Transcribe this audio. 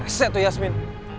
reset tuh yasmin